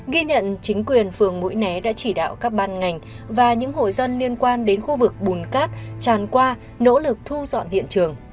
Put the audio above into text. ghi nhận chính quyền phường mũi né đã chỉ đạo các ban ngành và những hộ dân liên quan đến khu vực bùn cát tràn qua nỗ lực thu dọn hiện trường